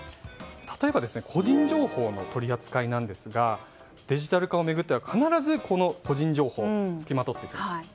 例えば個人情報の取り扱いですがデジタル化を巡っては必ず個人情報がつきまとってきます。